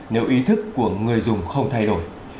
nếu ý thức của người dùng không thay đổi